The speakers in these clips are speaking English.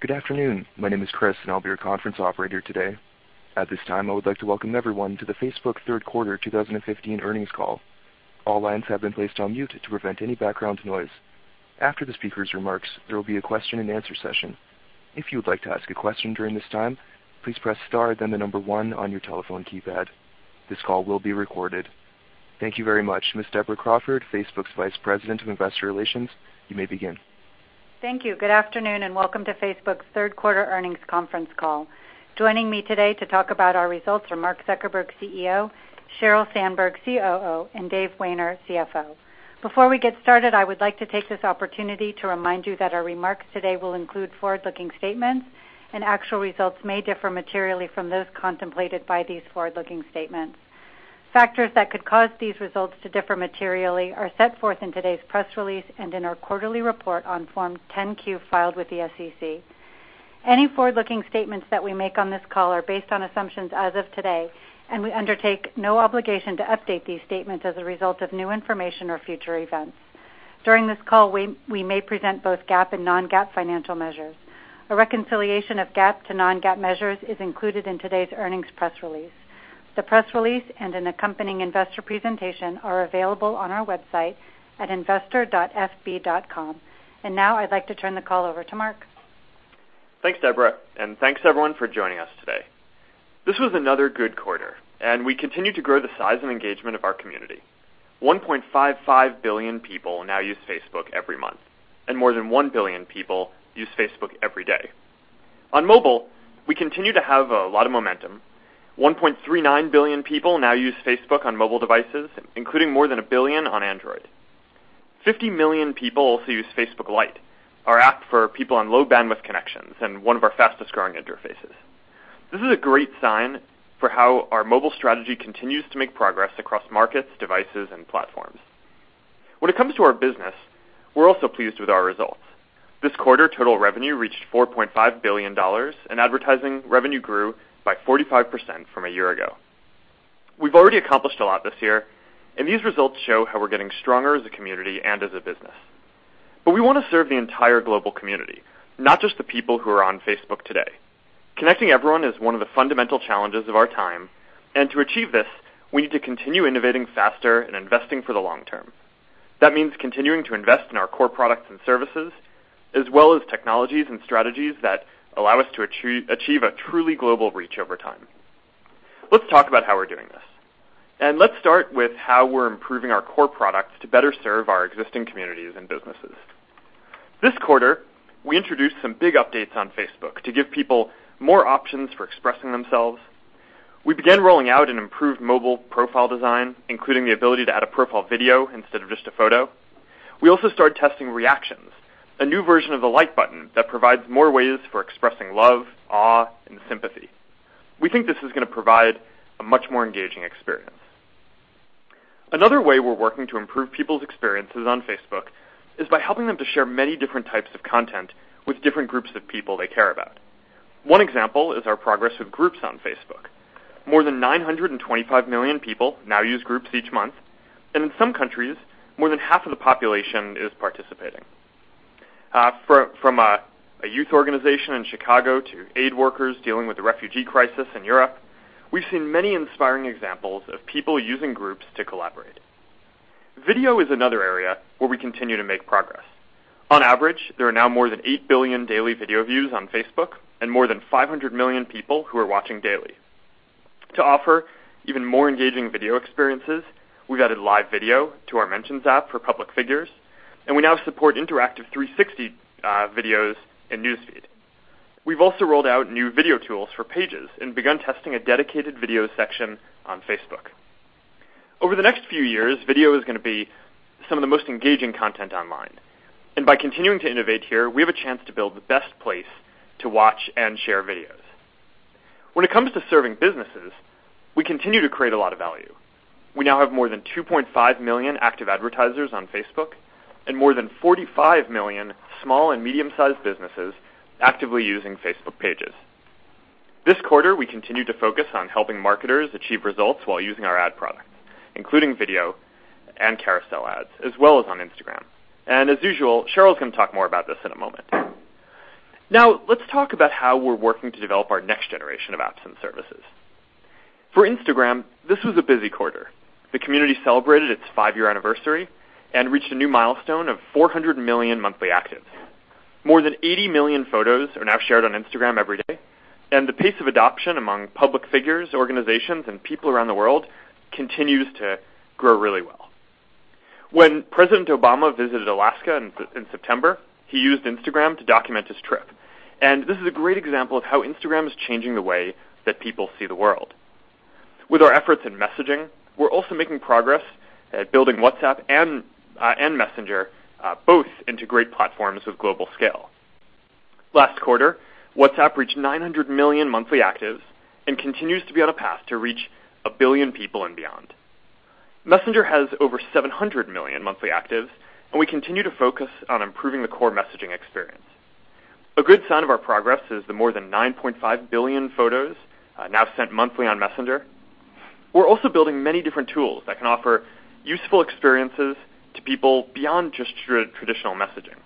Good afternoon. My name is Chris, and I'll be your conference operator today. At this time, I would like to welcome everyone to the Facebook third quarter 2015 earnings call. All lines have been placed on mute to prevent any background noise. After the speaker's remarks, there will be a question and answer session. If you would like to ask a question during this time, please press star, then the number one on your telephone keypad. This call will be recorded. Thank you very much. Ms. Deborah Crawford, Facebook's Vice President of Investor Relations, you may begin. Thank you. Good afternoon, welcome to Facebook's third quarter earnings conference call. Joining me today to talk about our results are Mark Zuckerberg, CEO; Sheryl Sandberg, COO; and Dave Wehner, CFO. Before we get started, I would like to take this opportunity to remind you that our remarks today will include forward-looking statements, actual results may differ materially from those contemplated by these forward-looking statements. Factors that could cause these results to differ materially are set forth in today's press release and in our quarterly report on Form 10-Q filed with the SEC. Any forward-looking statements that we make on this call are based on assumptions as of today, we undertake no obligation to update these statements as a result of new information or future events. During this call, we may present both GAAP and non-GAAP financial measures. A reconciliation of GAAP to non-GAAP measures is included in today's earnings press release. The press release and an accompanying investor presentation are available on our website at investor.fb.com. Now I'd like to turn the call over to Mark. Thanks, Deborah, thanks everyone for joining us today. This was another good quarter, we continue to grow the size and engagement of our community. 1.55 billion people now use Facebook every month, more than 1 billion people use Facebook every day. On mobile, we continue to have a lot of momentum. 1.39 billion people now use Facebook on mobile devices, including more than 1 billion on Android. 50 million people also use Facebook Lite, our app for people on low bandwidth connections one of our fastest-growing interfaces. This is a great sign for how our mobile strategy continues to make progress across markets, devices, and platforms. When it comes to our business, we're also pleased with our results. This quarter, total revenue reached $4.5 billion, advertising revenue grew by 45% from a year ago. We've already accomplished a lot this year. These results show how we're getting stronger as a community and as a business. We want to serve the entire global community, not just the people who are on Facebook today. Connecting everyone is one of the fundamental challenges of our time. To achieve this, we need to continue innovating faster and investing for the long term. That means continuing to invest in our core products and services, as well as technologies and strategies that allow us to achieve a truly global reach over time. Let's talk about how we're doing this. Let's start with how we're improving our core products to better serve our existing communities and businesses. This quarter, we introduced some big updates on Facebook to give people more options for expressing themselves. We began rolling out an improved mobile profile design, including the ability to add a profile video instead of just a photo. We also started testing Reactions, a new version of the Like button that provides more ways for expressing love, awe, and sympathy. We think this is going to provide a much more engaging experience. Another way we're working to improve people's experiences on Facebook is by helping them to share many different types of content with different groups of people they care about. One example is our progress with Groups on Facebook. More than 925 million people now use Groups each month, and in some countries, more than half of the population is participating. From a youth organization in Chicago to aid workers dealing with the refugee crisis in Europe, we've seen many inspiring examples of people using Groups to collaborate. Video is another area where we continue to make progress. On average, there are now more than 8 billion daily video views on Facebook and more than 500 million people who are watching daily. To offer even more engaging video experiences, we've added Live Video to our Mentions app for public figures, and we now support interactive 360 videos in News Feed. We've also rolled out new video tools for Pages and begun testing a dedicated video section on Facebook. Over the next few years, video is going to be some of the most engaging content online. By continuing to innovate here, we have a chance to build the best place to watch and share videos. When it comes to serving businesses, we continue to create a lot of value. We now have more than 2.5 million active advertisers on Facebook and more than 45 million small and medium-sized businesses actively using Facebook Pages. This quarter, we continued to focus on helping marketers achieve results while using our ad products, including video and carousel ads, as well as on Instagram. As usual, Sheryl's going to talk more about this in a moment. Now, let's talk about how we're working to develop our next generation of apps and services. For Instagram, this was a busy quarter. The community celebrated its five-year anniversary and reached a new milestone of 400 million monthly actives. More than 80 million photos are now shared on Instagram every day. The pace of adoption among public figures, organizations, and people around the world continues to grow really well. When President Obama visited Alaska in September, he used Instagram to document his trip. This is a great example of how Instagram is changing the way that people see the world. With our efforts in messaging, we're also making progress at building WhatsApp and Messenger both into great platforms with global scale. Last quarter, WhatsApp reached 900 million monthly actives and continues to be on a path to reach 1 billion people and beyond. Messenger has over 700 million monthly actives, and we continue to focus on improving the core messaging experience. A good sign of our progress is the more than 9.5 billion photos now sent monthly on Messenger. We're also building many different tools that can offer useful experiences to people beyond just traditional messaging.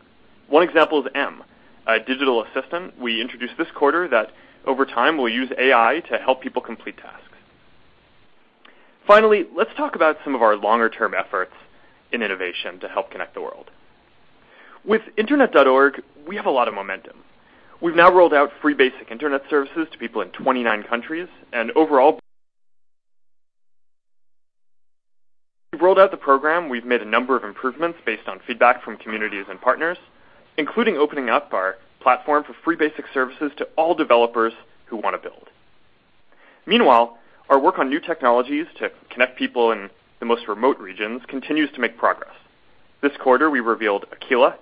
One example is M, a digital assistant we introduced this quarter that over time will use AI to help people complete tasks. Finally, let's talk about some of our longer-term efforts in innovation to help connect the world. With Internet.org, we have a lot of momentum. We've now rolled out free basic Internet services to people in 29 countries, and overall, we've rolled out the program. We've made a number of improvements based on feedback from communities and partners, including opening up our platform for free basic services to all developers who want to build. Meanwhile, our work on new technologies to connect people in the most remote regions continues to make progress. This quarter, we revealed Aquila,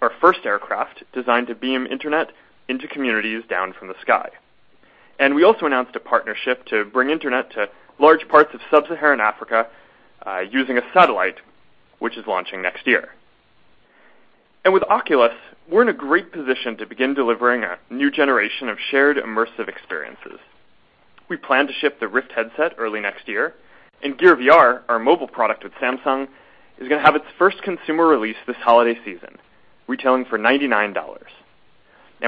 our first aircraft designed to beam Internet into communities down from the sky. We also announced a partnership to bring Internet to large parts of sub-Saharan Africa, using a satellite, which is launching next year. With Oculus, we're in a great position to begin delivering a new generation of shared immersive experiences. We plan to ship the Rift headset early next year, and Gear VR, our mobile product with Samsung, is going to have its first consumer release this holiday season, retailing for $99.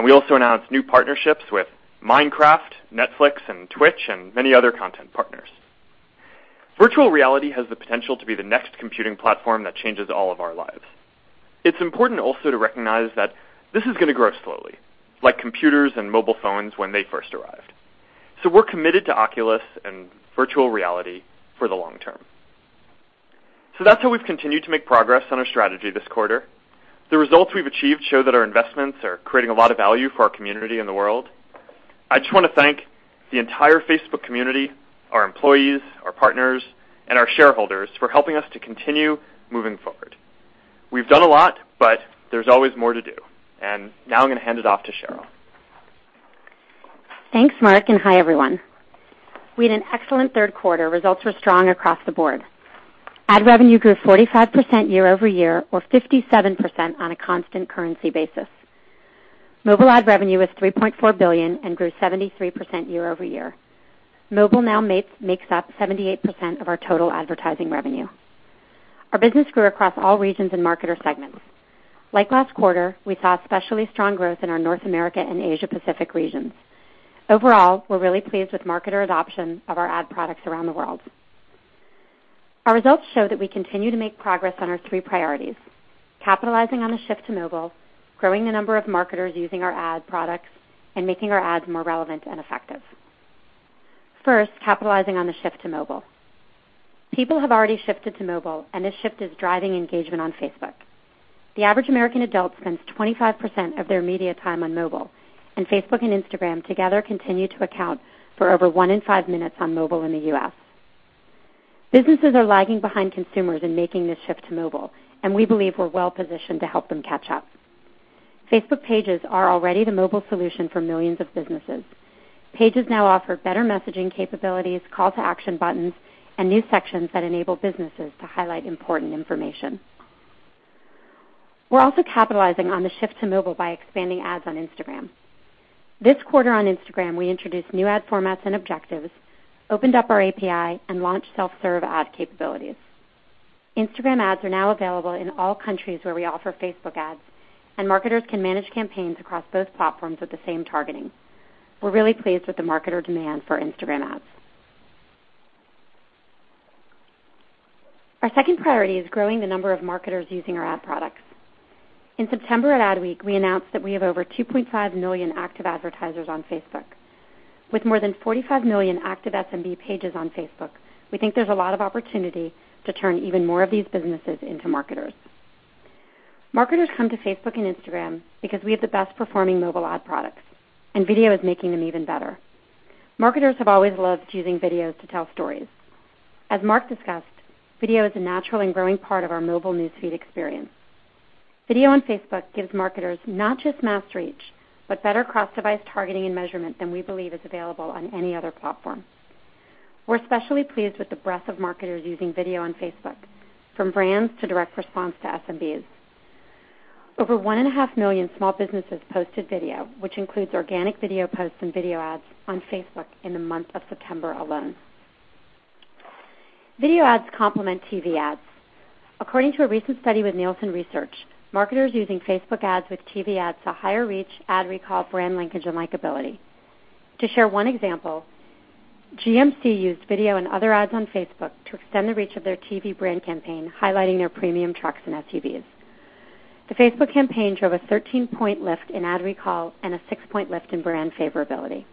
We also announced new partnerships with Minecraft, Netflix, and Twitch, and many other content partners. Virtual reality has the potential to be the next computing platform that changes all of our lives. It's important also to recognize that this is going to grow slowly, like computers and mobile phones when they first arrived. We're committed to Oculus and virtual reality for the long term. That's how we've continued to make progress on our strategy this quarter. The results we've achieved show that our investments are creating a lot of value for our community and the world. I just want to thank the entire Facebook community, our employees, our partners, and our shareholders for helping us to continue moving forward. We've done a lot, but there's always more to do. Now I'm going to hand it off to Sheryl. Thanks, Mark, and hi, everyone. We had an excellent third quarter. Results were strong across the board. Ad revenue grew 45% year-over-year, or 57% on a constant currency basis. Mobile ad revenue was $3.4 billion and grew 73% year-over-year. Mobile now makes up 78% of our total advertising revenue. Our business grew across all regions and marketer segments. Like last quarter, we saw especially strong growth in our North America and Asia Pacific regions. Overall, we're really pleased with marketer adoption of our ad products around the world. Our results show that we continue to make progress on our three priorities: capitalizing on the shift to mobile, growing the number of marketers using our ad products, and making our ads more relevant and effective. First, capitalizing on the shift to mobile. People have already shifted to mobile, and this shift is driving engagement on Facebook. The average American adult spends 25% of their media time on mobile, and Facebook and Instagram together continue to account for over one in five minutes on mobile in the U.S. Businesses are lagging behind consumers in making this shift to mobile, and we believe we're well-positioned to help them catch up. Facebook Pages are already the mobile solution for millions of businesses. Pages now offer better messaging capabilities, call-to-action buttons, and new sections that enable businesses to highlight important information. We're also capitalizing on the shift to mobile by expanding ads on Instagram. This quarter on Instagram, we introduced new ad formats and objectives, opened up our API, and launched self-serve ad capabilities. Instagram ads are now available in all countries where we offer Facebook ads, and marketers can manage campaigns across both platforms with the same targeting. We're really pleased with the marketer demand for Instagram ads. Our second priority is growing the number of marketers using our ad products. In September at Adweek, we announced that we have over 2.5 million active advertisers on Facebook. With more than 45 million active SMB Pages on Facebook, we think there's a lot of opportunity to turn even more of these businesses into marketers. Marketers come to Facebook and Instagram because we have the best-performing mobile ad products, and video is making them even better. Marketers have always loved using videos to tell stories. As Mark discussed, video is a natural and growing part of our mobile News Feed experience. Video on Facebook gives marketers not just mass reach, but better cross-device targeting and measurement than we believe is available on any other platform. We're especially pleased with the breadth of marketers using video on Facebook, from brands to direct response to SMBs. Over one and a half million small businesses posted video, which includes organic video posts and video ads on Facebook in the month of September alone. Video ads complement TV ads. According to a recent study with Nielsen Research, marketers using Facebook ads with TV ads saw higher reach, ad recall, brand linkage, and likability. To share one example, GMC used video and other ads on Facebook to extend the reach of their TV brand campaign, highlighting their premium trucks and SUVs. The Facebook campaign drove a 13-point lift in ad recall and a 6-point lift in brand favorability.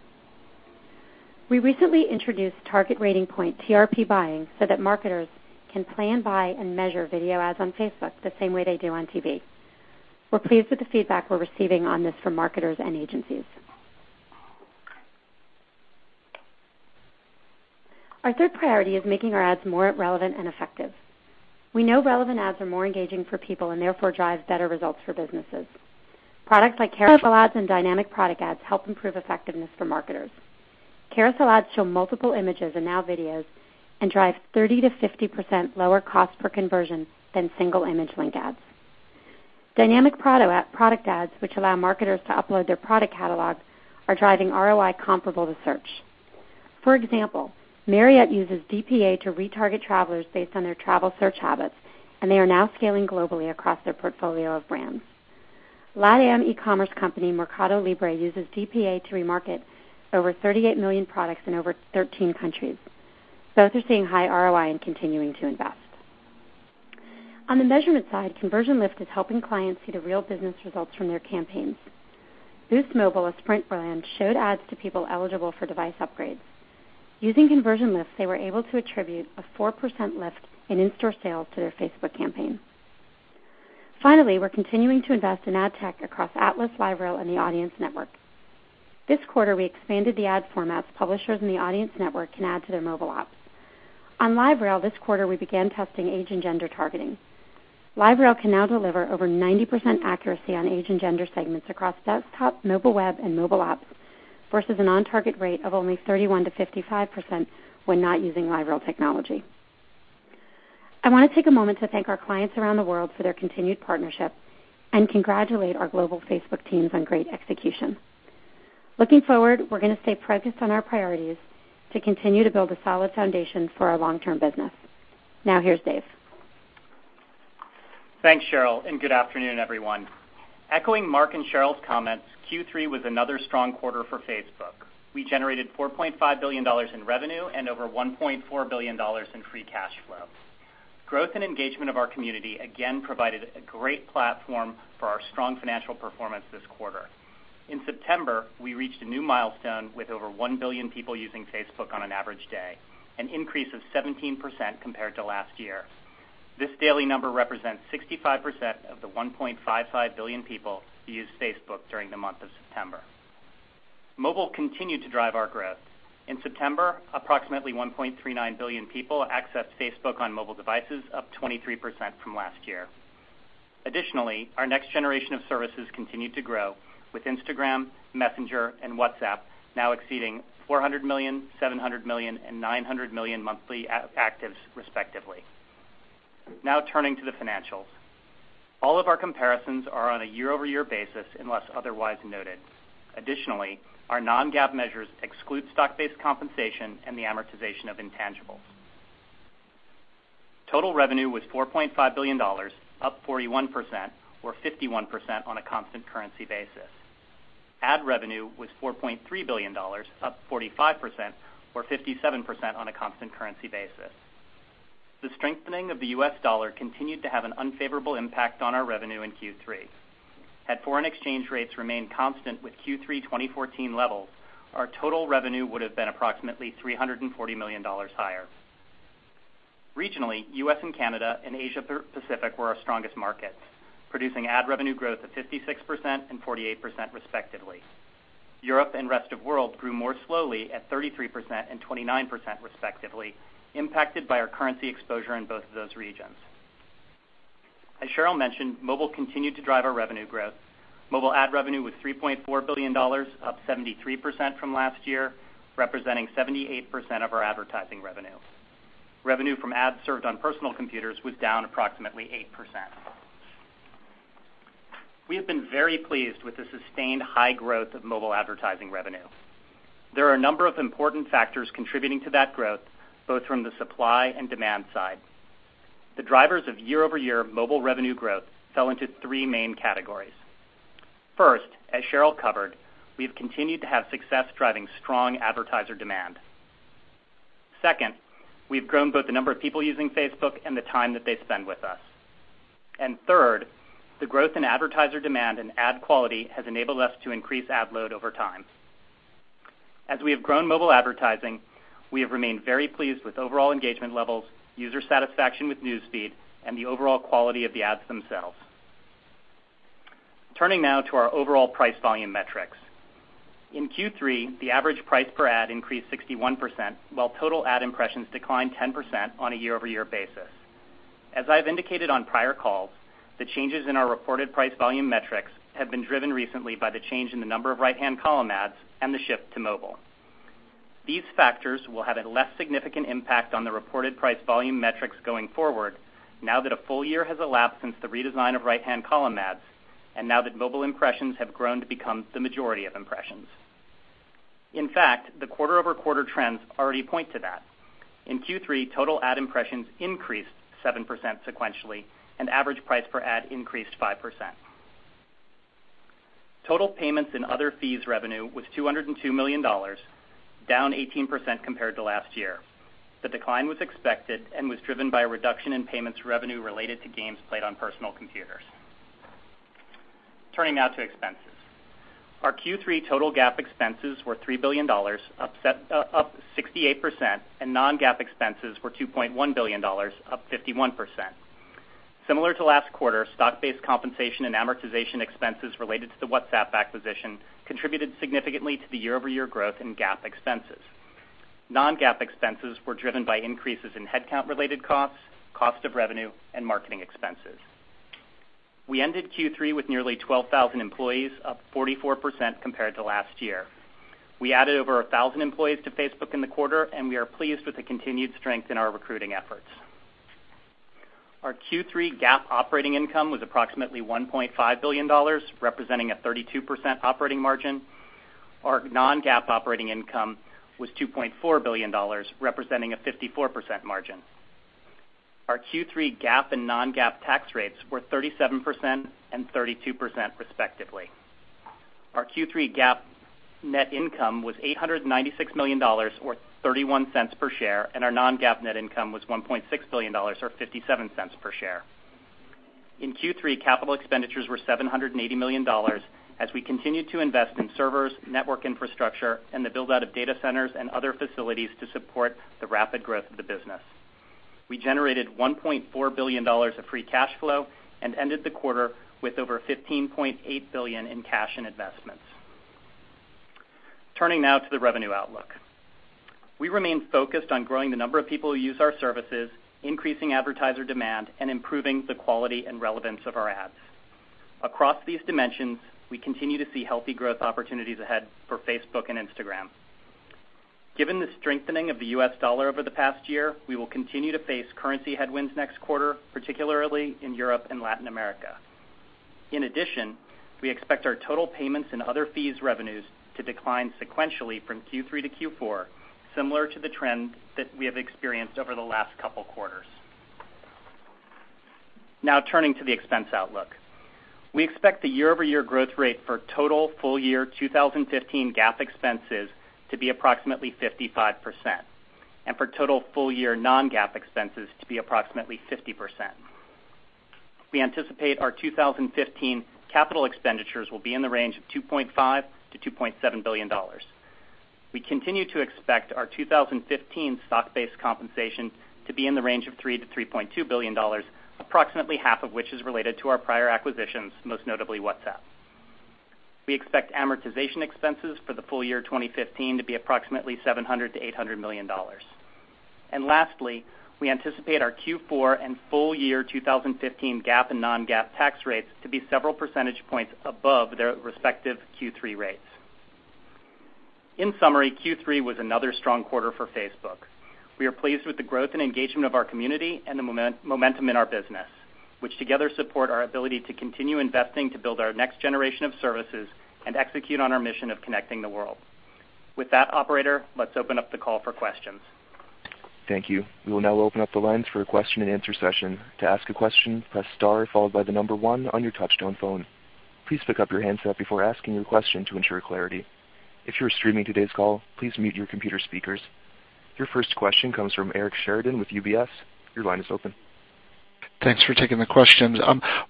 We recently introduced target rating point, TRP buying so that marketers can plan, buy, and measure video ads on Facebook the same way they do on TV. We're pleased with the feedback we're receiving on this from marketers and agencies. Our third priority is making our ads more relevant and effective. We know relevant ads are more engaging for people and therefore drive better results for businesses. Products like carousel ads and dynamic product ads help improve effectiveness for marketers. Carousel ads show multiple images and now videos and drive 30%-50% lower cost per conversion than single image link ads. Dynamic product ads, which allow marketers to upload their product catalog, are driving ROI comparable to search. For example, Marriott uses DPA to retarget travelers based on their travel search habits, and they are now scaling globally across their portfolio of brands. LatAm e-commerce company Mercado Libre uses DPA to remarket over 38 million products in over 13 countries. Both are seeing high ROI and continuing to invest. On the measurement side, conversion lift is helping clients see the real business results from their campaigns. Boost Mobile, a Sprint brand, showed ads to people eligible for device upgrades. Using conversion lifts, they were able to attribute a 4% lift in in-store sales to their Facebook campaign. We're continuing to invest in ad tech across Atlas, LiveRail, and the Audience Network. This quarter, we expanded the ad formats publishers in the Audience Network can add to their mobile apps. On LiveRail this quarter, we began testing age and gender targeting. LiveRail can now deliver over 90% accuracy on age and gender segments across desktop, mobile web, and mobile apps, versus a non-target rate of only 31%-55% when not using LiveRail technology. I want to take a moment to thank our clients around the world for their continued partnership, and congratulate our global Facebook teams on great execution. Looking forward, we're going to stay focused on our priorities to continue to build a solid foundation for our long-term business. Now here's Dave. Thanks, Sheryl, and good afternoon, everyone. Echoing Mark and Sheryl's comments, Q3 was another strong quarter for Facebook. We generated $4.5 billion in revenue and over $1.4 billion in free cash flow. Growth and engagement of our community again provided a great platform for our strong financial performance this quarter. In September, we reached a new milestone with over 1 billion people using Facebook on an average day, an increase of 17% compared to last year. This daily number represents 65% of the 1.55 billion people who used Facebook during the month of September. Mobile continued to drive our growth. In September, approximately 1.39 billion people accessed Facebook on mobile devices, up 23% from last year. Additionally, our next generation of services continued to grow with Instagram, Messenger, and WhatsApp now exceeding 400 million, 700 million and 900 million monthly actives respectively. Turning to the financials. All of our comparisons are on a year-over-year basis unless otherwise noted. Additionally, our non-GAAP measures exclude stock-based compensation and the amortization of intangibles. Total revenue was $4.5 billion, up 41%, or 51% on a constant currency basis. Ad revenue was $4.3 billion, up 45%, or 57% on a constant currency basis. The strengthening of the US dollar continued to have an unfavorable impact on our revenue in Q3. Had foreign exchange rates remained constant with Q3 2014 levels, our total revenue would've been approximately $340 million higher. Regionally, U.S. and Canada and Asia Pacific were our strongest markets, producing ad revenue growth of 56% and 48% respectively. Europe and rest of world grew more slowly at 33% and 29% respectively, impacted by our currency exposure in both of those regions. As Sheryl mentioned, mobile continued to drive our revenue growth. Mobile ad revenue was $3.4 billion, up 73% from last year, representing 78% of our advertising revenue. Revenue from ads served on personal computers was down approximately 8%. We have been very pleased with the sustained high growth of mobile advertising revenue. There are a number of important factors contributing to that growth, both from the supply and demand side. The drivers of year-over-year mobile revenue growth fell into three main categories. First, as Sheryl covered, we've continued to have success driving strong advertiser demand. Second, we've grown both the number of people using Facebook and the time that they spend with us. Third, the growth in advertiser demand and ad quality has enabled us to increase ad load over time. As we have grown mobile advertising, we have remained very pleased with overall engagement levels, user satisfaction with News Feed, and the overall quality of the ads themselves. Turning now to our overall price-volume metrics. In Q3, the average price per ad increased 61%, while total ad impressions declined 10% on a year-over-year basis. As I've indicated on prior calls, the changes in our reported price-volume metrics have been driven recently by the change in the number of right-hand column ads and the shift to mobile. These factors will have a less significant impact on the reported price-volume metrics going forward now that a full year has elapsed since the redesign of right-hand column ads, and now that mobile impressions have grown to become the majority of impressions. In fact, the quarter-over-quarter trends already point to that. In Q3, total ad impressions increased 7% sequentially, and average price per ad increased 5%. Total payments and other fees revenue was $202 million, down 18% compared to last year. The decline was expected and was driven by a reduction in payments revenue related to games played on personal computers. Turning now to expenses. Our Q3 total GAAP expenses were $3 billion, up 68%, and non-GAAP expenses were $2.1 billion, up 51%. Similar to last quarter, stock-based compensation and amortization expenses related to the WhatsApp acquisition contributed significantly to the year-over-year growth in GAAP expenses. Non-GAAP expenses were driven by increases in headcount related costs, cost of revenue, and marketing expenses. We ended Q3 with nearly 12,000 employees, up 44% compared to last year. We added over 1,000 employees to Facebook in the quarter, and we are pleased with the continued strength in our recruiting efforts. Our Q3 GAAP operating income was approximately $1.5 billion, representing a 32% operating margin. Our non-GAAP operating income was $2.4 billion, representing a 54% margin. Our Q3 GAAP and non-GAAP tax rates were 37% and 32%, respectively. Our Q3 GAAP net income was $896 million, or $0.31 per share, and our non-GAAP net income was $1.6 billion, or $0.57 per share. In Q3, capital expenditures were $780 million as we continued to invest in servers, network infrastructure, and the build-out of data centers and other facilities to support the rapid growth of the business. We generated $1.4 billion of free cash flow and ended the quarter with over $15.8 billion in cash and investments. Turning now to the revenue outlook. We remain focused on growing the number of people who use our services, increasing advertiser demand, and improving the quality and relevance of our ads. Across these dimensions, we continue to see healthy growth opportunities ahead for Facebook and Instagram. Given the strengthening of the U.S. dollar over the past year, we will continue to face currency headwinds next quarter, particularly in Europe and Latin America. In addition, we expect our total payments in other fees revenues to decline sequentially from Q3 to Q4, similar to the trend that we have experienced over the last couple of quarters. Now, turning to the expense outlook. We expect the year-over-year growth rate for total full-year 2015 GAAP expenses to be approximately 55%, and for total full-year non-GAAP expenses to be approximately 50%. We anticipate our 2015 capital expenditures will be in the range of $2.5 billion-$2.7 billion. We continue to expect our 2015 stock-based compensation to be in the range of $3 billion-$3.2 billion, approximately half of which is related to our prior acquisitions, most notably WhatsApp. We expect amortization expenses for the full year 2015 to be approximately $700 million-$800 million. Lastly, we anticipate our Q4 and full year 2015 GAAP and non-GAAP tax rates to be several percentage points above their respective Q3 rates. In summary, Q3 was another strong quarter for Facebook. We are pleased with the growth and engagement of our community and the momentum in our business, which together support our ability to continue investing to build our next generation of services and execute on our mission of connecting the world. With that, operator, let's open up the call for questions. Thank you. We will now open up the lines for a question-and-answer session. To ask a question, press star followed by the number one on your touchtone phone. Please pick up your handset before asking your question to ensure clarity. If you're streaming today's call, please mute your computer speakers. Your first question comes from Eric Sheridan with UBS. Your line is open. Thanks for taking the questions.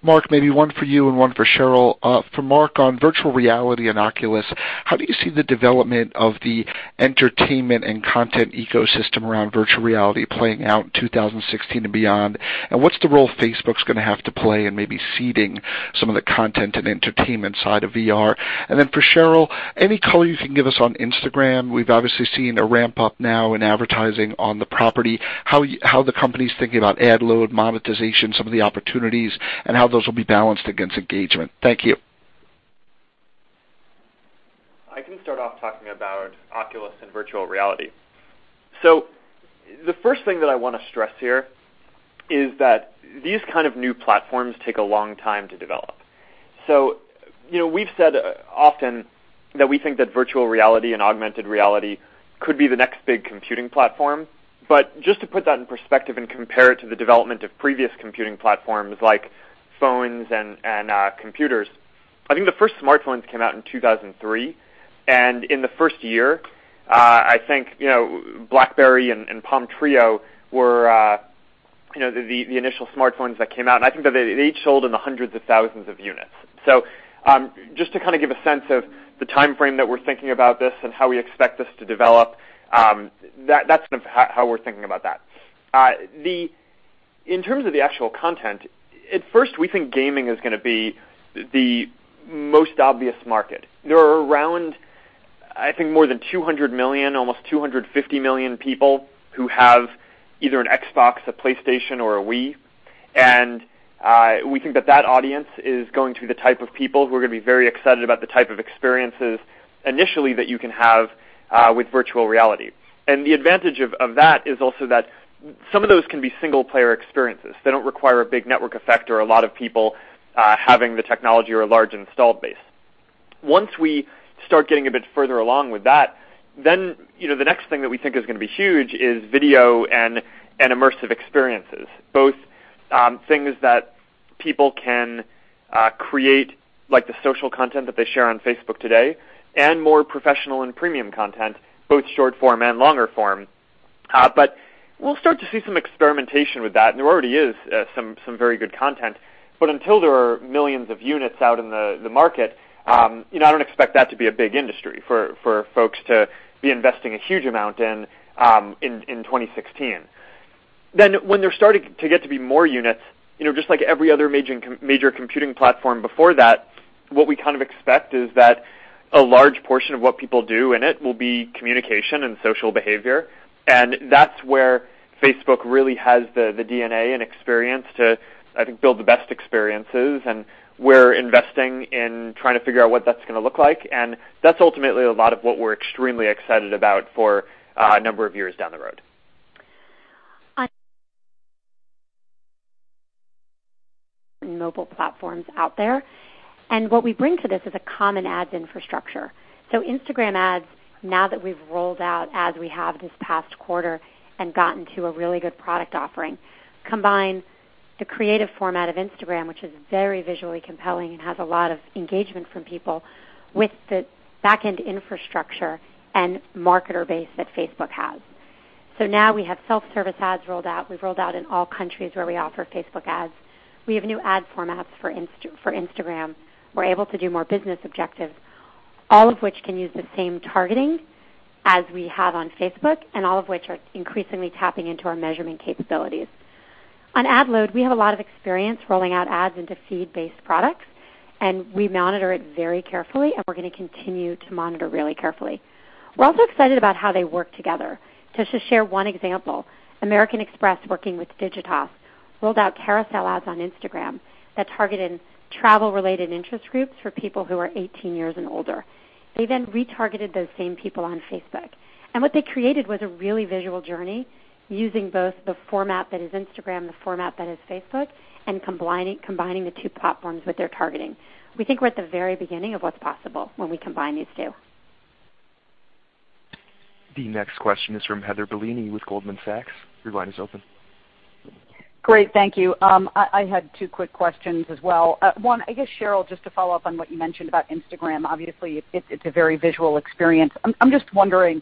Mark, maybe one for you and one for Sheryl. For Mark, on virtual reality and Oculus, how do you see the development of the entertainment and content ecosystem around virtual reality playing out in 2016 and beyond? What's the role Facebook's going to have to play in maybe seeding some of the content and entertainment side of VR? Then for Sheryl, any color you can give us on Instagram. We've obviously seen a ramp-up now in advertising on the property, how the company's thinking about ad load, monetization, some of the opportunities, and how those will be balanced against engagement. Thank you. I can start off talking about Oculus and virtual reality. The first thing that I want to stress here is that these kind of new platforms take a long time to develop. We've said often that we think that virtual reality and augmented reality could be the next big computing platform. Just to put that in perspective and compare it to the development of previous computing platforms like phones and computers, I think the first smartphones came out in 2003, and in the first year, I think BlackBerry and Palm Treo were the initial smartphones that came out, and I think that they each sold in the hundreds of thousands of units. Just to kind of give a sense of the timeframe that we're thinking about this and how we expect this to develop, that's kind of how we're thinking about that. In terms of the actual content, at first, we think gaming is going to be the most obvious market. There are around, I think, more than 200 million, almost 250 million people who have either an Xbox, a PlayStation, or a Wii, and we think that that audience is going to be the type of people who are going to be very excited about the type of experiences initially that you can have with virtual reality. The advantage of that is also that some of those can be single-player experiences. They don't require a big network effect or a lot of people having the technology or a large installed base. Once we start getting a bit further along with that, the next thing that we think is going to be huge is video and immersive experiences, both things that people can create, like the social content that they share on Facebook today, and more professional and premium content, both short form and longer form. We'll start to see some experimentation with that, and there already is some very good content. Until there are millions of units out in the market, I don't expect that to be a big industry for folks to be investing a huge amount in 2016. When there's starting to get to be more units, just like every other major computing platform before that, what we kind of expect is that a large portion of what people do in it will be communication and social behavior, that's where Facebook really has the DNA and experience to, I think, build the best experiences, we're investing in trying to figure out what that's going to look like, and that's ultimately a lot of what we're extremely excited about for a number of years down the road. On mobile platforms out there. What we bring to this is a common ads infrastructure. Instagram ads, now that we have rolled out ads we have this past quarter and gotten to a really good product offering, combine the creative format of Instagram, which is very visually compelling and has a lot of engagement from people, with the back-end infrastructure and marketer base that Facebook has. Now we have self-service ads rolled out. We have rolled out in all countries where we offer Facebook ads. We have new ad formats for Instagram. We are able to do more business objectives, all of which can use the same targeting as we have on Facebook, and all of which are increasingly tapping into our measurement capabilities. On ad load, we have a lot of experience rolling out ads into feed-based products. We monitor it very carefully, and we are going to continue to monitor really carefully. We are also excited about how they work together. Just to share one example, American Express, working with Digitas, rolled out carousel ads on Instagram that targeted travel-related interest groups for people who are 18 years and older. They then retargeted those same people on Facebook. What they created was a really visual journey using both the format that is Instagram, the format that is Facebook, and combining the two platforms with their targeting. We think we are at the very beginning of what is possible when we combine these two. The next question is from Heather Bellini with Goldman Sachs. Your line is open. Great. Thank you. I had two quick questions as well. One, I guess, Sheryl, just to follow up on what you mentioned about Instagram. Obviously, it is a very visual experience. I am just wondering,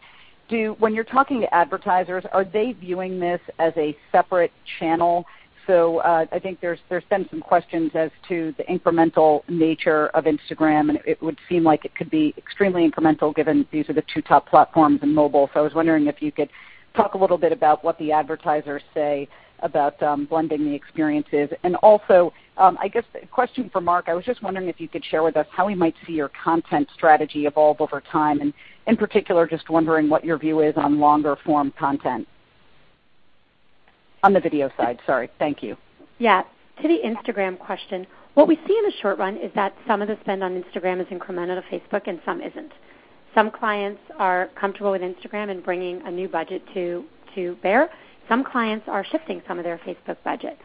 when you are talking to advertisers, are they viewing this as a separate channel? I think there has been some questions as to the incremental nature of Instagram, and it would seem like it could be extremely incremental given these are the two top platforms in mobile. I was wondering if you could talk a little bit about what the advertisers say about blending the experiences. Also, I guess a question for Mark, I was just wondering if you could share with us how we might see your content strategy evolve over time, and in particular, just wondering what your view is on longer form content. On the video side, sorry. Thank you. Yeah. To the Instagram question, what we see in the short run is that some of the spend on Instagram is incremental to Facebook and some isn't. Some clients are comfortable with Instagram and bringing a new budget to bear. Some clients are shifting some of their Facebook budget.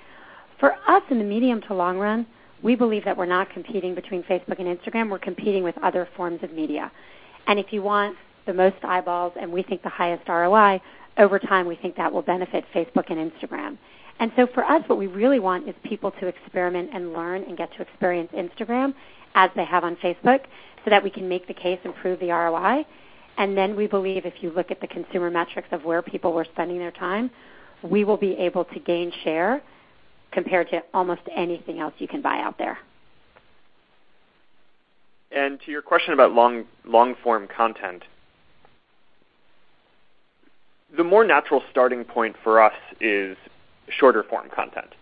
For us in the medium to long run, we believe that we're not competing between Facebook and Instagram, we're competing with other forms of media. If you want the most eyeballs, and we think the highest ROI, over time, we think that will benefit Facebook and Instagram. For us, what we really want is people to experiment and learn and get to experience Instagram as they have on Facebook so that we can make the case and prove the ROI. We believe if you look at the consumer metrics of where people were spending their time, we will be able to gain share compared to almost anything else you can buy out there. To your question about long-form content. The more natural starting point for us is shorter form content,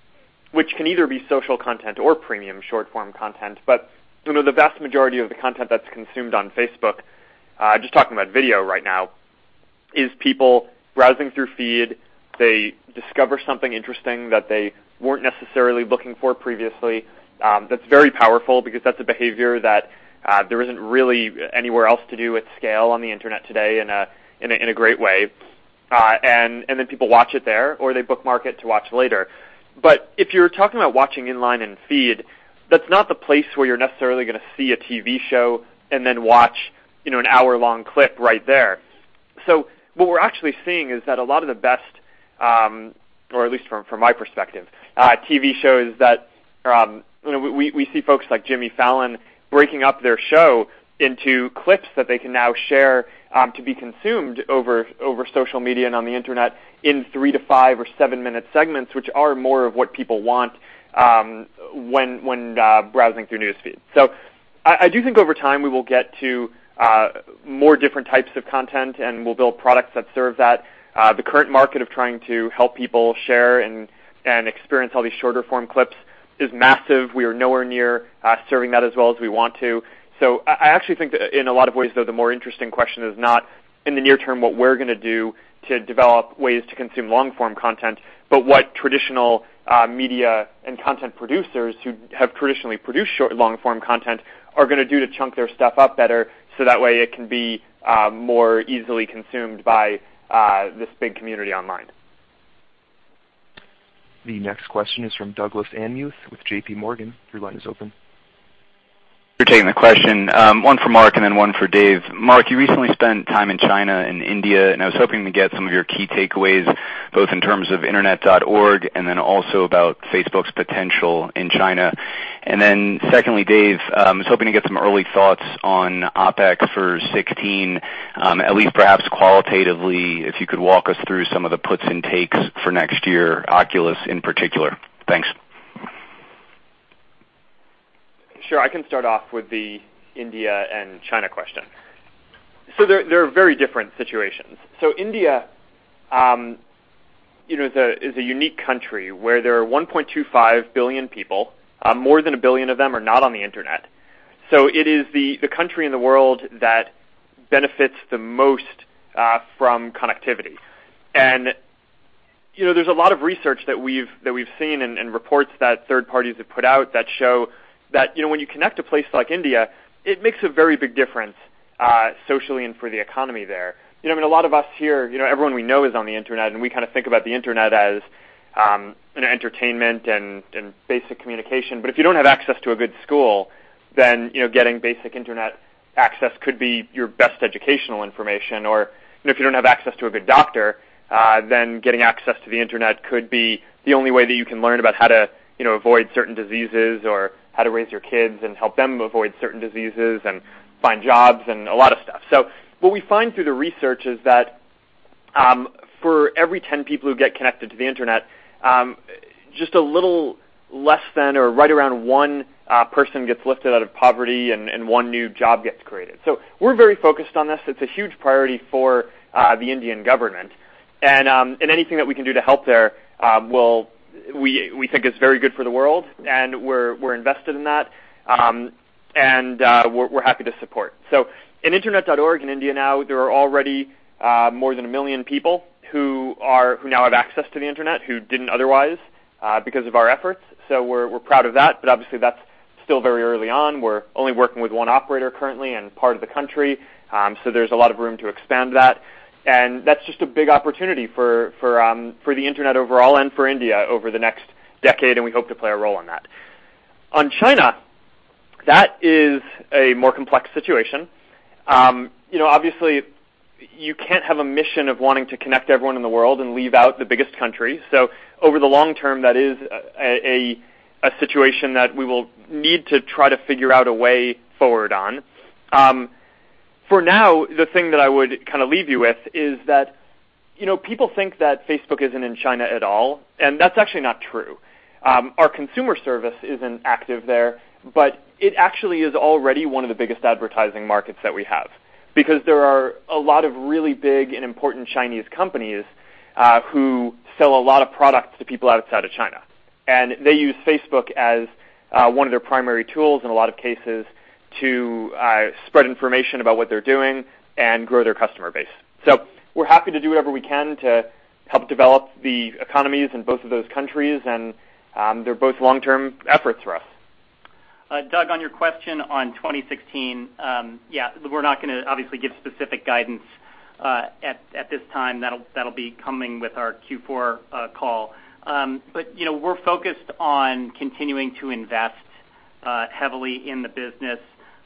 which can either be social content or premium short form content. The vast majority of the content that's consumed on Facebook, just talking about video right now, is people browsing through feed. They discover something interesting that they weren't necessarily looking for previously. That's very powerful because that's a behavior that there isn't really anywhere else to do at scale on the internet today in a great way. People watch it there, or they bookmark it to watch later. If you're talking about watching in line in feed, that's not the place where you're necessarily going to see a TV show and then watch an hour-long clip right there. What we're actually seeing is that a lot of the best, or at least from my perspective, TV shows that we see folks like Jimmy Fallon breaking up their show into clips that they can now share to be consumed over social media and on the internet in three to five or seven-minute segments, which are more of what people want when browsing through News Feed. I do think over time, we will get to more different types of content, and we'll build products that serve that. The current market of trying to help people share and experience all these shorter form clips is massive. We are nowhere near serving that as well as we want to. I actually think that in a lot of ways, though, the more interesting question is not in the near term what we're going to do to develop ways to consume long form content, but what traditional media and content producers who have traditionally produced long form content are going to do to chunk their stuff up better so that way it can be more easily consumed by this big community online. The next question is from Douglas Anmuth with J.P. Morgan. Your line is open. For taking the question. One for Mark and then one for Dave. Mark, you recently spent time in China and India, I was hoping to get some of your key takeaways, both in terms of Internet.org and then also about Facebook's potential in China. Secondly, Dave, I was hoping to get some early thoughts on OpEx for 2016, at least perhaps qualitatively, if you could walk us through some of the puts and takes for next year, Oculus in particular. Thanks. Sure. I can start off with the India and China question. They're very different situations. India is a unique country where there are 1.25 billion people. More than 1 billion of them are not on the internet. It is the country in the world that benefits the most from connectivity. There's a lot of research that we've seen and reports that third parties have put out that show that when you connect a place like India, it makes a very big difference. Socially and for the economy there. A lot of us here, everyone we know is on the internet, and we kind of think about the internet as entertainment and basic communication. If you don't have access to a good school, then getting basic internet access could be your best educational information. If you don't have access to a good doctor, getting access to the internet could be the only way that you can learn about how to avoid certain diseases or how to raise your kids and help them avoid certain diseases and find jobs and a lot of stuff. What we find through the research is that for every 10 people who get connected to the internet, just a little less than or right around one person gets lifted out of poverty and one new job gets created. We're very focused on this. It's a huge priority for the Indian government. Anything that we can do to help there, we think is very good for the world, and we're invested in that. We're happy to support. In Internet.org in India now, there are already more than a million people who now have access to the internet who didn't otherwise because of our efforts. We're proud of that, but obviously that's still very early on. We're only working with one operator currently in part of the country. There's a lot of room to expand that. That's just a big opportunity for the internet overall and for India over the next decade, and we hope to play a role in that. On China, that is a more complex situation. Obviously, you can't have a mission of wanting to connect everyone in the world and leave out the biggest country. Over the long term, that is a situation that we will need to try to figure out a way forward on. For now, the thing that I would kind of leave you with is that people think that Facebook isn't in China at all, and that's actually not true. Our consumer service isn't active there, but it actually is already one of the biggest advertising markets that we have because there are a lot of really big and important Chinese companies who sell a lot of product to people outside of China. They use Facebook as one of their primary tools in a lot of cases to spread information about what they're doing and grow their customer base. We're happy to do whatever we can to help develop the economies in both of those countries, and they're both long-term efforts for us. Doug, on your question on 2016, yeah, we're not going to obviously give specific guidance at this time. That'll be coming with our Q4 call. We're focused on continuing to invest heavily in the business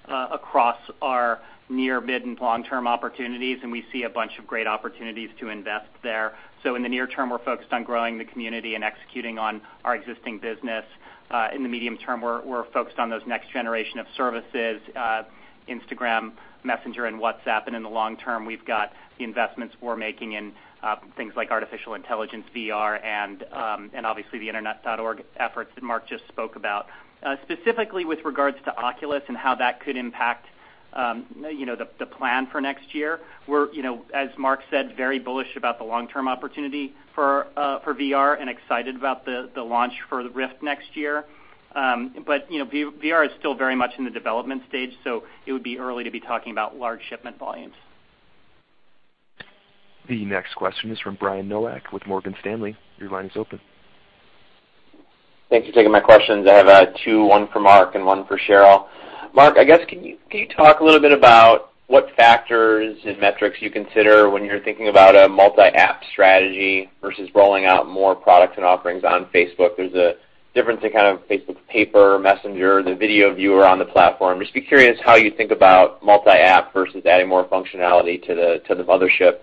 across our near, mid, and long-term opportunities, and we see a bunch of great opportunities to invest there. In the near term, we're focused on growing the community and executing on our existing business. In the medium term, we're focused on those next generation of services, Instagram, Messenger, and WhatsApp. In the long term, we've got the investments we're making in things like artificial intelligence, VR, and obviously the Internet.org efforts that Mark just spoke about. Specifically with regards to Oculus and how that could impact the plan for next year, we're, as Mark said, very bullish about the long-term opportunity for VR and excited about the launch for the Rift next year. VR is still very much in the development stage, so it would be early to be talking about large shipment volumes. The next question is from Brian Nowak with Morgan Stanley. Your line is open. Thanks for taking my questions. I have two, one for Mark and one for Sheryl. Mark, I guess, can you talk a little bit about what factors and metrics you consider when you're thinking about a multi-app strategy versus rolling out more products and offerings on Facebook? There's a difference in kind of Facebook Paper, Messenger, the video viewer on the platform. Just be curious how you think about multi-app versus adding more functionality to the mothership.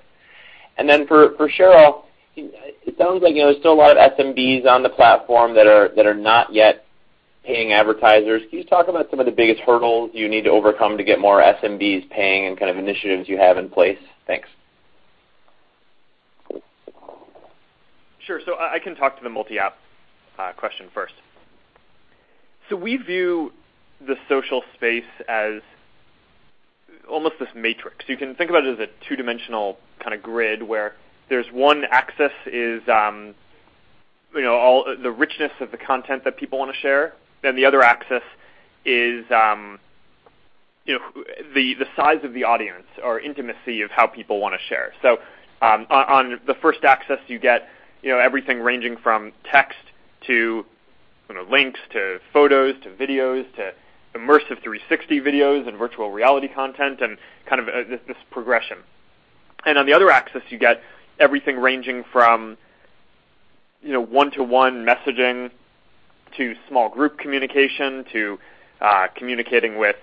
For Sheryl, it sounds like there's still a lot of SMBs on the platform that are not yet paying advertisers. Can you just talk about some of the biggest hurdles you need to overcome to get more SMBs paying and kind of initiatives you have in place? Thanks. Sure. I can talk to the multi-app question first. We view the social space as almost this matrix. You can think about it as a two-dimensional kind of grid where there's one axis is the richness of the content that people want to share, and the other axis is the size of the audience or intimacy of how people want to share. On the first axis, you get everything ranging from text to links to photos to videos to immersive 360 videos and virtual reality content and kind of this progression. On the other axis, you get everything ranging from one-to-one messaging to small group communication to communicating with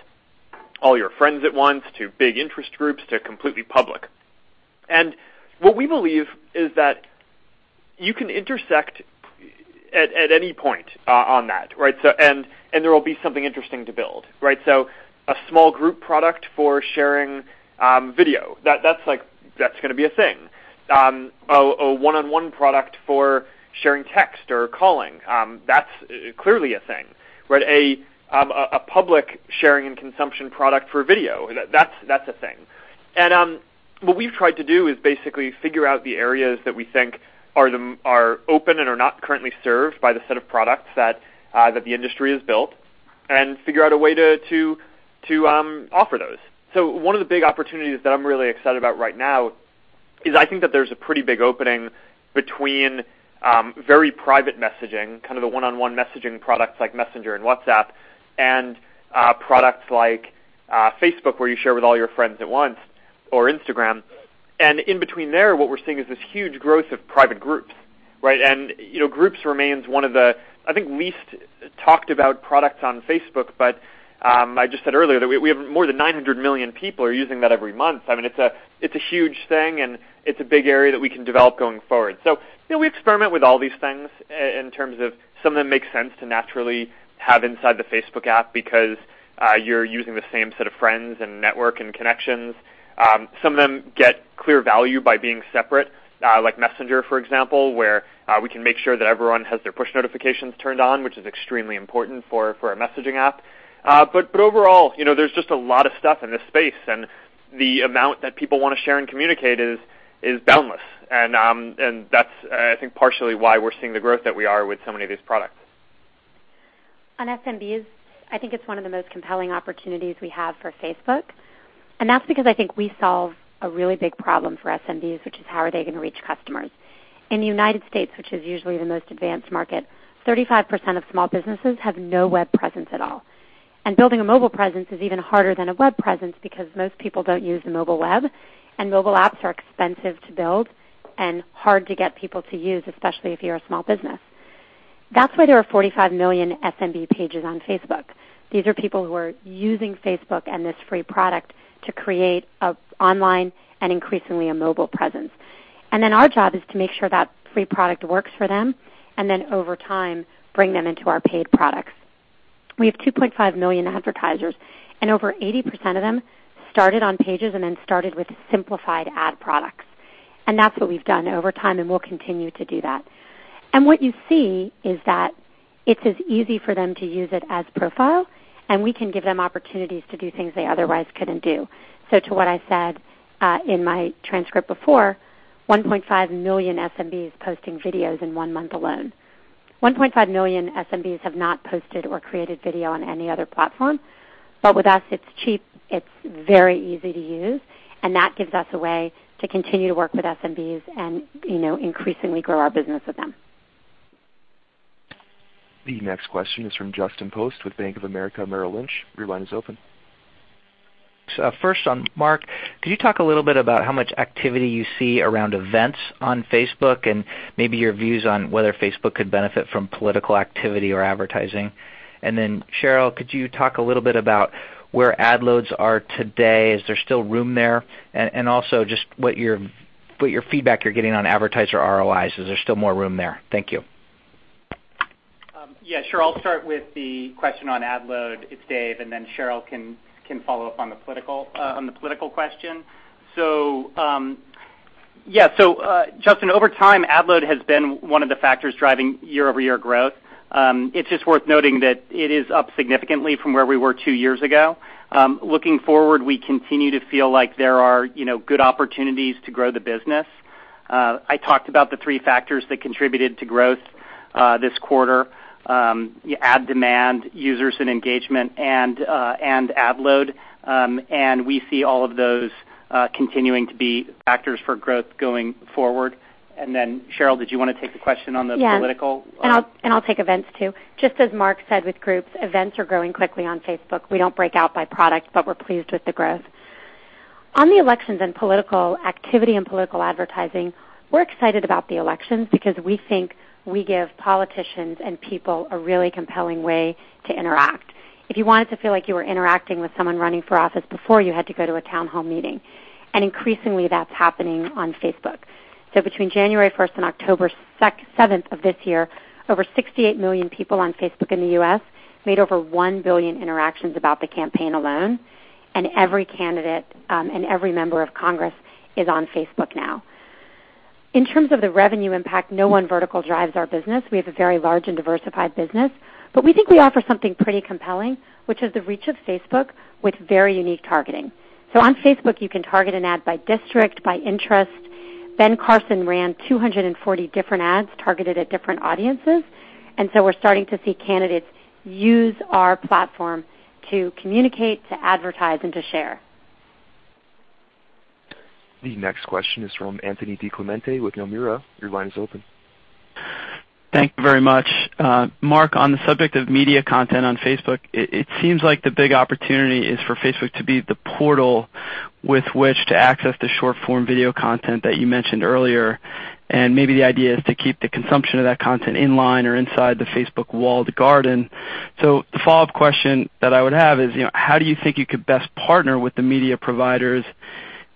all your friends at once to big interest groups to completely public. What we believe is that you can intersect at any point on that, right? There will be something interesting to build, right? A small group product for sharing video, that's going to be a thing. A one-on-one product for sharing text or calling, that's clearly a thing. A public sharing and consumption product for video, that's a thing. What we've tried to do is basically figure out the areas that we think are open and are not currently served by the set of products that the industry has built and figure out a way to offer those. One of the big opportunities that I'm really excited about right now is I think that there's a pretty big opening between very private messaging, kind of the one-on-one messaging products like Messenger and WhatsApp, and products like Facebook, where you share with all your friends at once, or Instagram. In between there, what we're seeing is this huge growth of private Groups. Right? Groups remains one of the, I think, least talked about products on Facebook. I just said earlier that we have more than 900 million people are using that every month. It's a huge thing, and it's a big area that we can develop going forward. We experiment with all these things in terms of some of them make sense to naturally have inside the Facebook app because you're using the same set of friends and network and connections. Some of them get clear value by being separate, like Messenger, for example, where we can make sure that everyone has their push notifications turned on, which is extremely important for a messaging app. Overall, there's just a lot of stuff in this space, and the amount that people want to share and communicate is boundless. That's, I think, partially why we're seeing the growth that we are with so many of these products. On SMBs, I think it's one of the most compelling opportunities we have for Facebook, that's because I think we solve a really big problem for SMBs, which is how are they going to reach customers. In the U.S., which is usually the most advanced market, 35% of small businesses have no web presence at all. Building a mobile presence is even harder than a web presence because most people don't use the mobile web, and mobile apps are expensive to build and hard to get people to use, especially if you're a small business. That's why there are 45 million SMB Pages on Facebook. These are people who are using Facebook and this free product to create online and increasingly a mobile presence. Our job is to make sure that free product works for them, and then over time, bring them into our paid products. We have 2.5 million advertisers, and over 80% of them started on Pages and then started with simplified ad products. That's what we've done over time, and we'll continue to do that. What you see is that it's as easy for them to use it as profile, and we can give them opportunities to do things they otherwise couldn't do. To what I said in my transcript before, 1.5 million SMBs posting videos in one month alone. 1.5 million SMBs have not posted or created video on any other platform. With us, it's cheap, it's very easy to use, and that gives us a way to continue to work with SMBs and increasingly grow our business with them. The next question is from Justin Post with Bank of America Merrill Lynch. Your line is open. First on, Mark, could you talk a little bit about how much activity you see around events on Facebook and maybe your views on whether Facebook could benefit from political activity or advertising? Then, Sheryl, could you talk a little bit about where ad loads are today? Is there still room there? Also just what feedback you're getting on advertiser ROIs. Is there still more room there? Thank you. Yeah, sure. I'll start with the question on ad load. It's Dave, and then Sheryl can follow up on the political question. Justin, over time, ad load has been one of the factors driving year-over-year growth. It's just worth noting that it is up significantly from where we were two years ago. Looking forward, we continue to feel like there are good opportunities to grow the business. I talked about the three factors that contributed to growth this quarter: ad demand, users and engagement, and ad load. We see all of those continuing to be factors for growth going forward. Then Sheryl, did you want to take the question on the political question. Yes. I'll take events, too. Just as Mark said with Groups, events are growing quickly on Facebook. We don't break out by product, but we're pleased with the growth. On the elections and political activity and political advertising, we're excited about the elections because we think we give politicians and people a really compelling way to interact. If you wanted to feel like you were interacting with someone running for office before, you had to go to a town hall meeting. Increasingly, that's happening on Facebook. Between January 1st and October 7th of this year, over 68 million people on Facebook in the U.S. made over 1 billion interactions about the campaign alone. Every candidate and every member of Congress is on Facebook now. In terms of the revenue impact, no one vertical drives our business. We have a very large and diversified business, but we think we offer something pretty compelling, which is the reach of Facebook with very unique targeting. On Facebook, you can target an ad by district, by interest. Ben Carson ran 240 different ads targeted at different audiences, and so we're starting to see candidates use our platform to communicate, to advertise, and to share. The next question is from Anthony DiClemente with Nomura. Your line is open. Thank you very much. Mark, on the subject of media content on Facebook, it seems like the big opportunity is for Facebook to be the portal with which to access the short-form video content that you mentioned earlier, and maybe the idea is to keep the consumption of that content in line or inside the Facebook walled garden. The follow-up question that I would have is: how do you think you could best partner with the media providers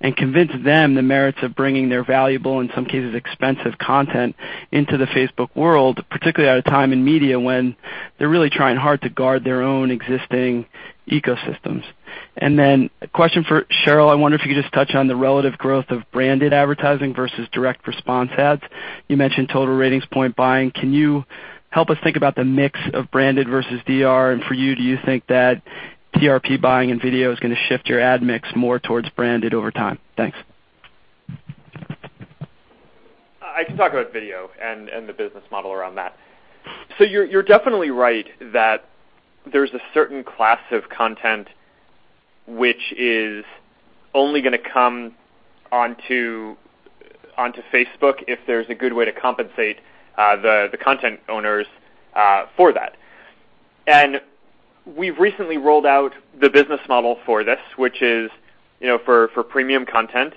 and convince them the merits of bringing their valuable, in some cases, expensive content into the Facebook world, particularly at a time in media when they're really trying hard to guard their own existing ecosystems? A question for Sheryl. I wonder if you could just touch on the relative growth of branded advertising versus direct response ads. You mentioned total ratings point buying. Can you help us think about the mix of branded versus DR? For you, do you think that TRP buying and video is going to shift your ad mix more towards branded over time? Thanks. I can talk about video and the business model around that. You're definitely right that there's a certain class of content which is only going to come onto Facebook if there's a good way to compensate the content owners for that. We've recently rolled out the business model for this, which is for premium content.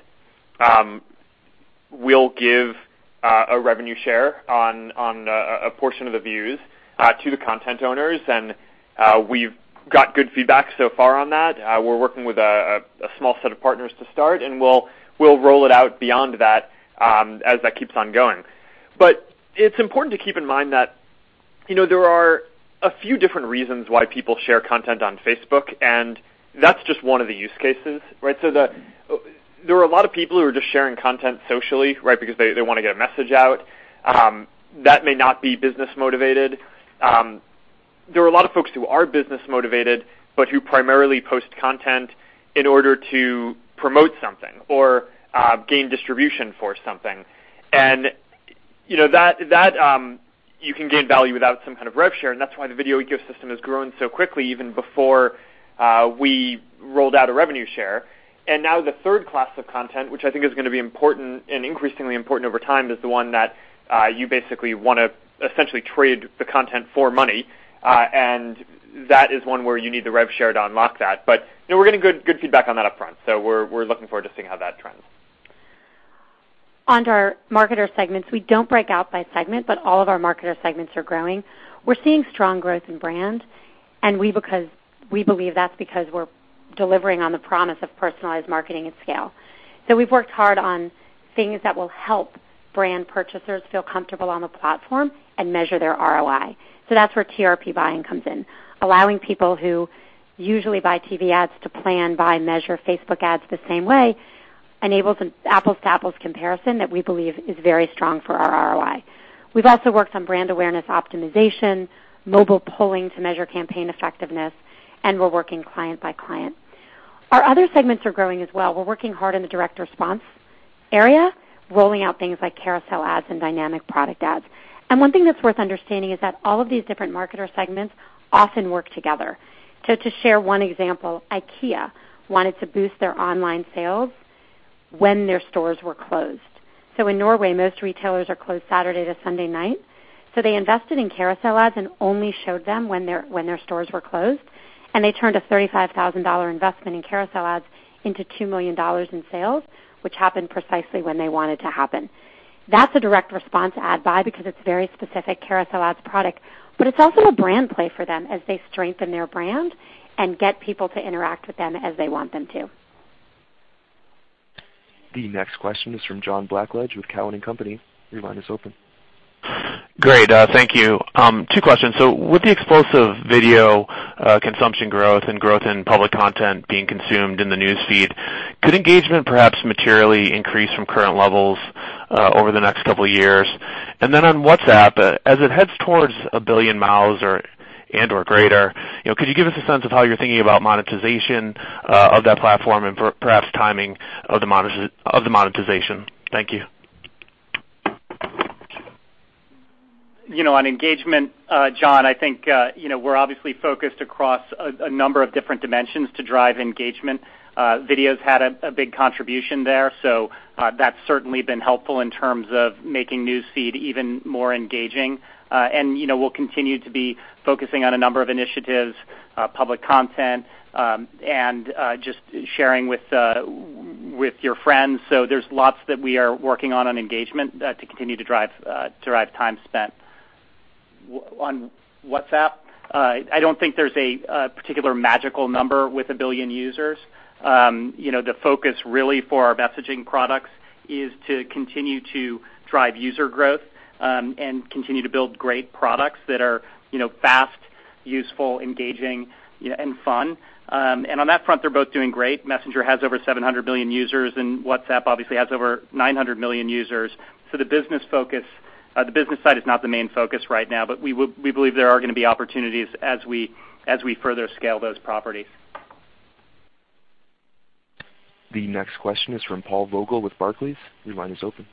We'll give a revenue share on a portion of the views to the content owners, and we've got good feedback so far on that. We're working with a small set of partners to start, and we'll roll it out beyond that as that keeps on going. It's important to keep in mind that there are a few different reasons why people share content on Facebook, and that's just one of the use cases, right? There are a lot of people who are just sharing content socially, right? Because they want to get a message out. That may not be business-motivated. There are a lot of folks who are business-motivated but who primarily post content in order to promote something or gain distribution for something. You can gain value without some kind of rev share, and that's why the video ecosystem has grown so quickly, even before we rolled out a revenue share. Now the third class of content, which I think is going to be important and increasingly important over time, is the one that you basically want to essentially trade the content for money, and that is one where you need the rev share to unlock that. We're getting good feedback on that upfront. We're looking forward to seeing how that trends. On to our marketer segments. We don't break out by segment, but all of our marketer segments are growing. We're seeing strong growth in brand, and we believe that's because we're delivering on the promise of personalized marketing at scale. We've worked hard on things that will help brand purchasers feel comfortable on the platform and measure their ROI. That's where TRP buying comes in. Allowing people who usually buy TV ads to plan, buy, measure Facebook ads the same way enables an apples-to-apples comparison that we believe is very strong for our ROI. We've also worked on brand awareness optimization, mobile polling to measure campaign effectiveness, and we're working client by client. Our other segments are growing as well. We're working hard in the direct response area, rolling out things like carousel ads and dynamic product ads. One thing that's worth understanding is that all of these different marketer segments often work together. To share one example, IKEA wanted to boost their online sales when their stores were closed. In Norway, most retailers are closed Saturday to Sunday night. They invested in carousel ads and only showed them when their stores were closed, and they turned a $35,000 investment in carousel ads into $2 million in sales, which happened precisely when they wanted to happen. That's a direct response ad buy because it's very specific carousel ads product, but it's also a brand play for them as they strengthen their brand and get people to interact with them as they want them to. The next question is from John Blackledge with Cowen and Company. Your line is open. Great. Thank you. Two questions. With the explosive video consumption growth and growth in public content being consumed in the News Feed, could engagement perhaps materially increase from current levels over the next couple of years? On WhatsApp, as it heads towards a billion MAUs and/or greater, could you give us a sense of how you're thinking about monetization of that platform and perhaps timing of the monetization? Thank you. On engagement, John, I think we're obviously focused across a number of different dimensions to drive engagement. Video's had a big contribution there, that's certainly been helpful in terms of making News Feed even more engaging. We'll continue to be focusing on a number of initiatives, public content, and just sharing with your friends. There's lots that we are working on engagement to continue to drive time spent. On WhatsApp, I don't think there's a particular magical number with a billion users. The focus really for our messaging products is to continue to drive user growth and continue to build great products that are fast, useful, engaging, and fun. On that front, they're both doing great. Messenger has over 700 million users, and WhatsApp obviously has over 900 million users. The business side is not the main focus right now, but we believe there are going to be opportunities as we further scale those properties. The next question is from Paul Vogel with Barclays. Your line is open.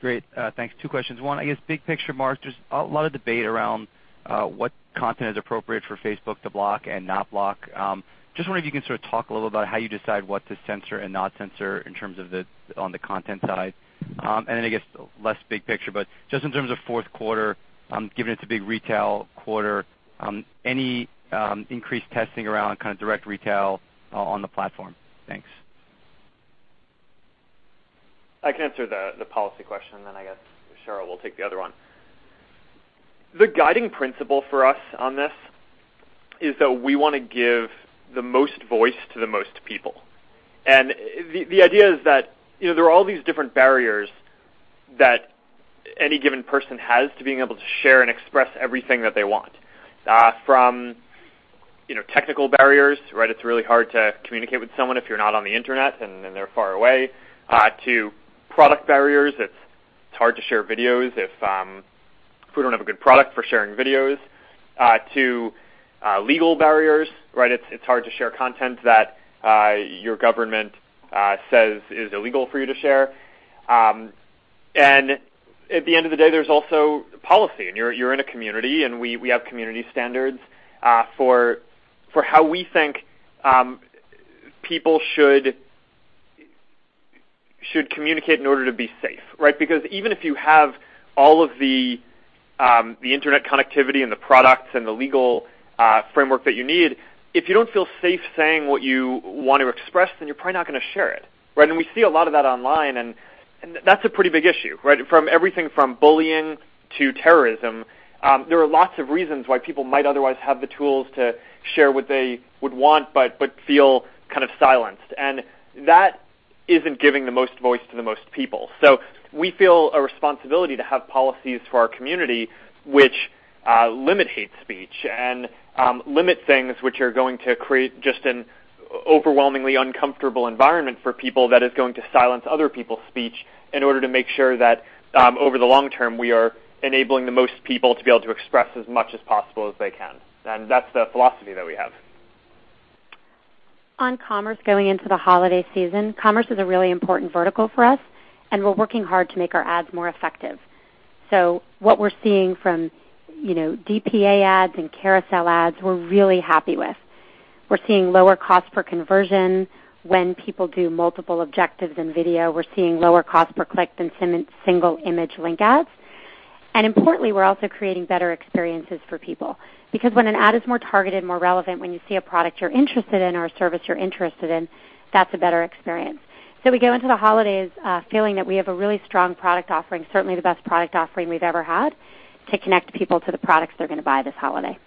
Great. Thanks. Two questions. One, I guess big picture, Mark, there's a lot of debate around what content is appropriate for Facebook to block and not block. Just wondering if you can sort of talk a little about how you decide what to censor and not censor in terms of on the content side. I guess, less big picture, but just in terms of fourth quarter, given it's a big retail quarter, any increased testing around kind of direct retail on the platform? Thanks. I can answer the policy question, then I guess Sheryl will take the other one. The guiding principle for us on this is that we want to give the most voice to the most people. The idea is that there are all these different barriers that any given person has to being able to share and express everything that they want. From technical barriers, it's really hard to communicate with someone if you're not on the internet and they're far away, to product barriers. It's hard to share videos if we don't have a good product for sharing videos, to legal barriers, right? It's hard to share content that your government says is illegal for you to share. At the end of the day, there's also policy. You're in a community, we have community standards for how we think people should communicate in order to be safe, right? Because even if you have all of the internet connectivity and the products and the legal framework that you need, if you don't feel safe saying what you want to express, then you're probably not going to share it, right? We see a lot of that online, that's a pretty big issue, right? From everything from bullying to terrorism, there are lots of reasons why people might otherwise have the tools to share what they would want but feel kind of silenced. That isn't giving the most voice to the most people. We feel a responsibility to have policies for our community which limit hate speech and limit things which are going to create just an overwhelmingly uncomfortable environment for people that is going to silence other people's speech in order to make sure that over the long term, we are enabling the most people to be able to express as much as possible as they can. That's the philosophy that we have. On commerce going into the holiday season, commerce is a really important vertical for us, and we're working hard to make our ads more effective. What we're seeing from DPA ads and carousel ads, we're really happy with. We're seeing lower cost per conversion when people do multiple objectives in video. We're seeing lower cost per click than single image link ads. Importantly, we're also creating better experiences for people. Because when an ad is more targeted, more relevant, when you see a product you're interested in or a service you're interested in, that's a better experience. We go into the holidays feeling that we have a really strong product offering, certainly the best product offering we've ever had, to connect people to the products they're going to buy this holiday.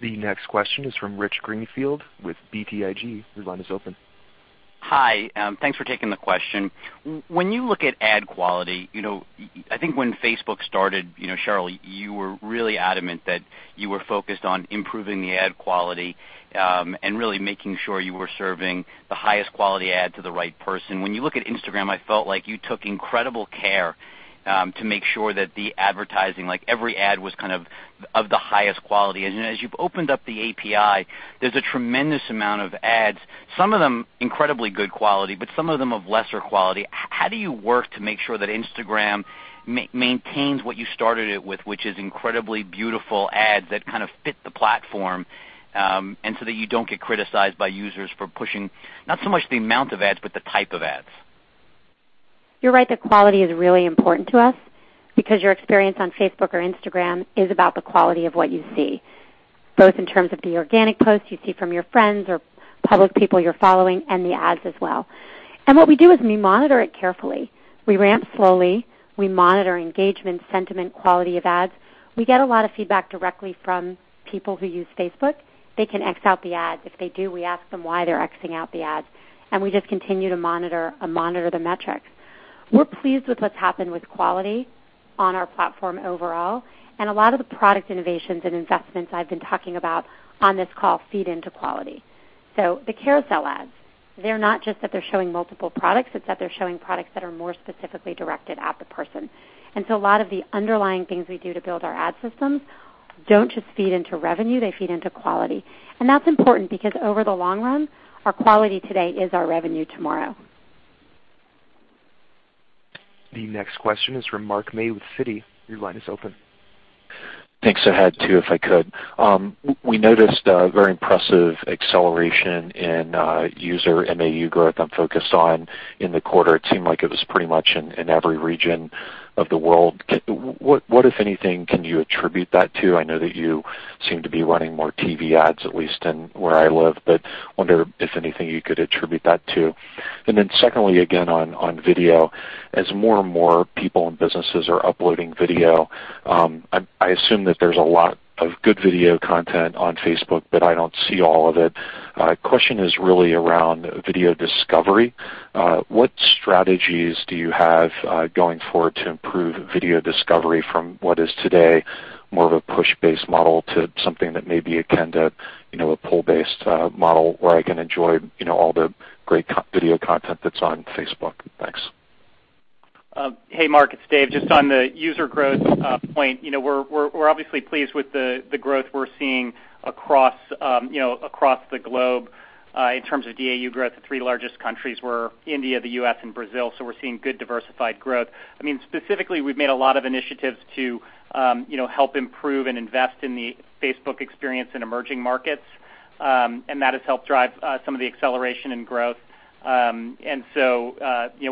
The next question is from Rich Greenfield with BTIG. Your line is open. Hi, thanks for taking the question. When you look at ad quality, I think when Facebook started, Sheryl, you were really adamant that you were focused on improving the ad quality and really making sure you were serving the highest quality ad to the right person. When you look at Instagram, I felt like you took incredible care to make sure that the advertising, like every ad was kind of the highest quality. As you've opened up the API, there's a tremendous amount of ads, some of them incredibly good quality, but some of them of lesser quality. How do you work to make sure that Instagram maintains what you started it with, which is incredibly beautiful ads that kind of fit the platform, and so that you don't get criticized by users for pushing not so much the amount of ads, but the type of ads? You're right that quality is really important to us because your experience on Facebook or Instagram is about the quality of what you see, both in terms of the organic posts you see from your friends or public people you're following, and the ads as well. What we do is we monitor it carefully. We ramp slowly. We monitor engagement, sentiment, quality of ads. We get a lot of feedback directly from people who use Facebook. They can X out the ads. If they do, we ask them why they're X-ing out the ads, and we just continue to monitor the metrics. We're pleased with what's happened with quality on our platform overall, and a lot of the product innovations and investments I've been talking about on this call feed into quality. The carousel ads, they're not just that they're showing multiple products, it's that they're showing products that are more specifically directed at the person. A lot of the underlying things we do to build our ad systems don't just feed into revenue, they feed into quality. That's important because over the long run, our quality today is our revenue tomorrow. The next question is from Mark May with Citi. Your line is open. Thanks. I had two, if I could. We noticed a very impressive acceleration in user MAU growth I'm focused on in the quarter. It seemed like it was pretty much in every region of the world. What, if anything, can you attribute that to? I know that you seem to be running more TV ads, at least in where I live, but I wonder if anything you could attribute that to. Secondly, again, on video, as more and more people and businesses are uploading video, I assume that there's a lot of good video content on Facebook, but I don't see all of it. Question is really around video discovery. What strategies do you have going forward to improve video discovery from what is today more of a push-based model to something that may be akin to a pull-based model where I can enjoy all the great video content that's on Facebook? Thanks. Hey, Mark, it's Dave. Just on the user growth point, we're obviously pleased with the growth we're seeing across the globe. In terms of DAU growth, the three largest countries were India, the U.S., and Brazil. We're seeing good diversified growth. Specifically, we've made a lot of initiatives to help improve and invest in the Facebook experience in emerging markets, and that has helped drive some of the acceleration in growth.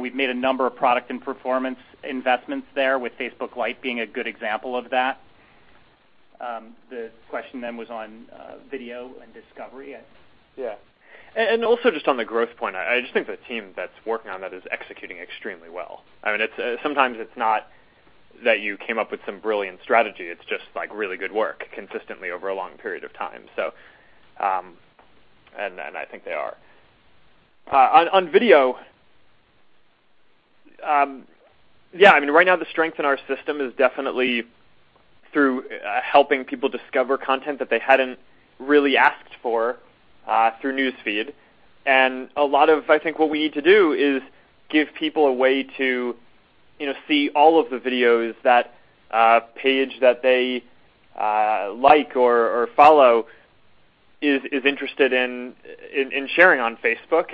We've made a number of product and performance investments there with Facebook Lite being a good example of that. The question then was on video and discovery. Yeah. Also just on the growth point, I just think the team that's working on that is executing extremely well. Sometimes it's not that you came up with some brilliant strategy, it's just really good work consistently over a long period of time. I think they are. On video, yeah, right now the strength in our system is definitely Through helping people discover content that they hadn't really asked for through News Feed. A lot of, I think what we need to do is give people a way to see all of the videos that page that they like or follow is interested in sharing on Facebook.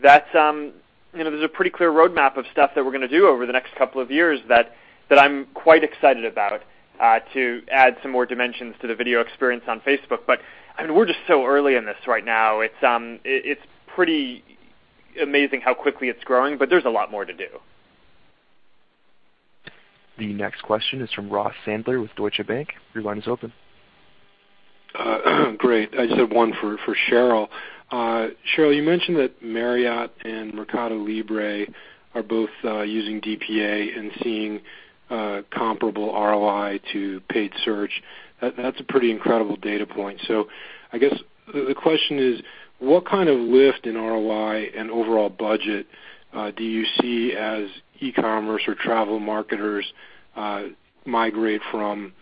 There's a pretty clear roadmap of stuff that we're going to do over the next couple of years that I'm quite excited about to add some more dimensions to the video experience on Facebook. We're just so early in this right now. It's pretty amazing how quickly it's growing, but there's a lot more to do. The next question is from Ross Sandler with Deutsche Bank. Your line is open. Great. I just have one for Sheryl. Sheryl, you mentioned that Marriott and Mercado Libre are both using DPA and seeing comparable ROI to paid search. That's a pretty incredible data point. I guess the question is, what kind of lift in ROI and overall budget do you see as e-commerce or travel marketers migrate from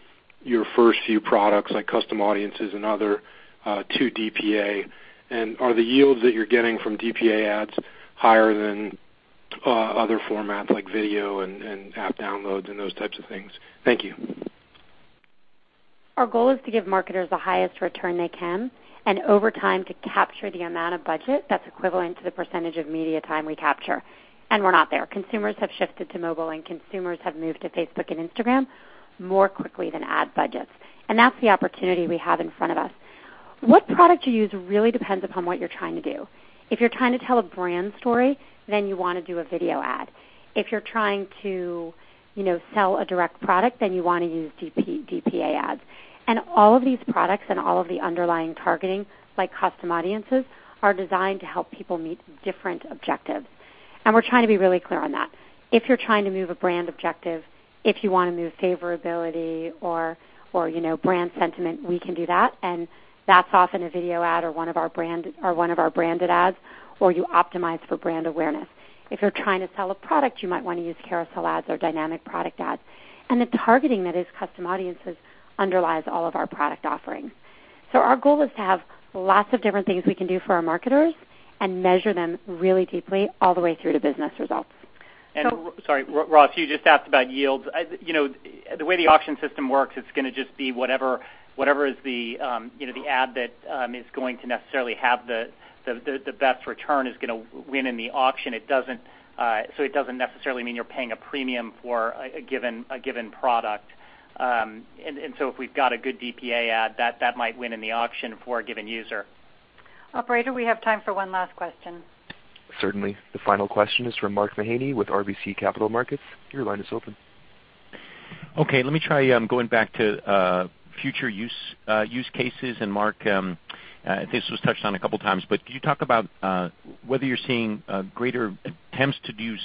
your first few products, like Custom Audiences and other, to DPA? Are the yields that you're getting from DPA ads higher than other formats, like video and app downloads and those types of things? Thank you. Our goal is to give marketers the highest return they can, and over time, to capture the amount of budget that's equivalent to the percentage of media time we capture. We're not there. Consumers have shifted to mobile, and consumers have moved to Facebook and Instagram more quickly than ad budgets. That's the opportunity we have in front of us. What product you use really depends upon what you're trying to do. If you're trying to tell a brand story, then you want to do a video ad. If you're trying to sell a direct product, then you want to use DPA ads. All of these products and all of the underlying targeting, like Custom Audiences, are designed to help people meet different objectives. We're trying to be really clear on that. If you're trying to move a brand objective, if you want to move favorability or brand sentiment, we can do that. That's often a video ad or one of our branded ads, or you optimize for brand awareness. If you're trying to sell a product, you might want to use carousel ads or dynamic product ads. The targeting that is Custom Audiences underlies all of our product offerings. Our goal is to have lots of different things we can do for our marketers and measure them really deeply all the way through to business results. Sorry, Ross, you just asked about yields. The way the auction system works, it's going to just be whatever is the ad that is going to necessarily have the best return is going to win in the auction. It doesn't necessarily mean you're paying a premium for a given product. If we've got a good DPA ad, that might win in the auction for a given user. Operator, we have time for one last question. Certainly. The final question is from Mark Mahaney with RBC Capital Markets. Your line is open. Okay, let me try going back to future use cases. Mark, this was touched on a couple of times, but could you talk about whether you're seeing greater attempts to do